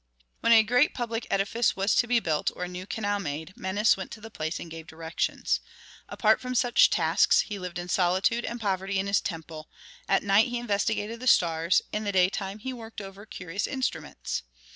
When a great public edifice was to be built or a new canal made, Menes went to the place and gave directions. Apart from such tasks he lived in solitude and poverty in his temple; at night he investigated the stars, in the daytime he worked over curious instruments.